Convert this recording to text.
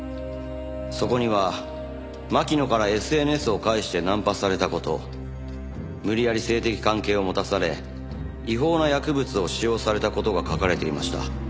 そこには巻乃からＳＮＳを介してナンパされた事無理やり性的関係を持たされ違法な薬物を使用された事が書かれていました。